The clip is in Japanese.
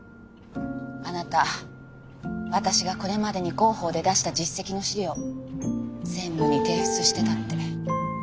あなた私がこれまでに広報で出した実績の資料専務に提出してたって。